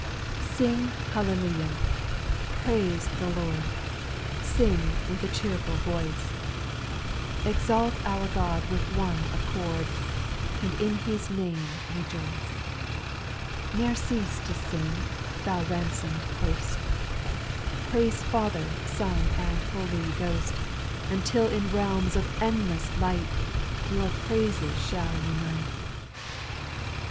QING hallelujah I praise the Lord I O Sing with a cheerful voice ; SPIRITUAL SONGS. 33S Exalt our God with one accord, And in His name rejoice. Ne'er cease to sing, thou ransom'd host ; Praise Father, Son, and Holy Ghost, Until in realms of endless light, Your praises shall unite.